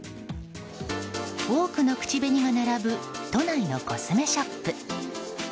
多くの口紅が並ぶ都内のコスメショップ。